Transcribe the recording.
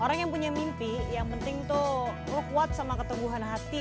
orang yang punya mimpi yang penting tuh lo kuat sama keteguhan hati